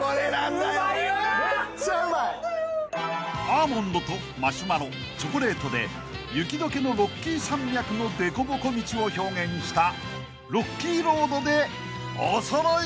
［アーモンドとマシュマロチョコレートで雪解けのロッキー山脈のでこぼこ道を表現したロッキーロードでおそろい松］